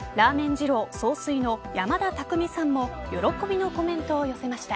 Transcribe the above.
二郎総帥の山田拓美さんも喜びのコメントを寄せました。